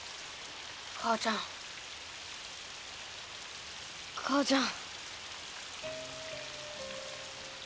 母ちゃん母ちゃん。